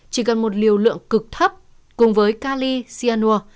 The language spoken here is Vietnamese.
chỉ cần một liều lượng cực thấp cùng với cali cyanur